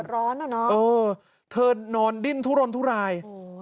แต่ร้อนเหรอน้องเออเธอนอนดิ้นทุรนทุราย